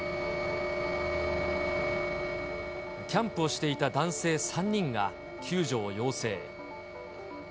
キャンプをしていた男性３人が、救助を要請。